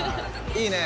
いいね！